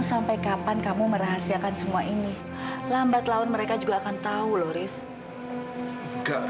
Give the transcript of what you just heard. sampai jumpa di video selanjutnya